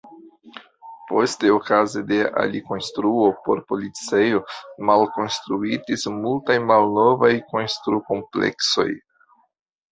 Poste okaze de alikonstruo por policejo malkonstruitis multaj malnovaj kontrukompleksoj.